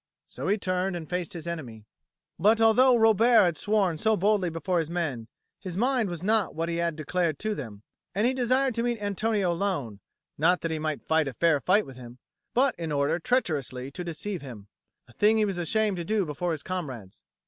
So he turned and faced his enemy. But although Robert had sworn so boldly before his men, his mind was not what he had declared to them, and he desired to meet Antonio alone, not that he might fight a fair fight with him, but in order treacherously to deceive him a thing he was ashamed to do before his comrades.